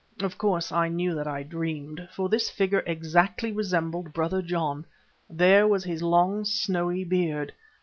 Of course, I knew that I dreamed, for this figure exactly resembled Brother John. There was his long, snowy beard.